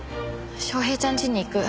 昌平ちゃん家に行く。